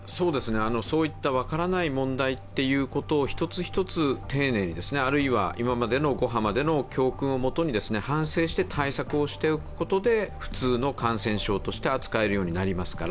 そういった分からない問題を１つ１つ丁寧にあるいは今までの５波までの教訓を元に反省して対策をしておくことで普通の感染症として扱えるようになりますから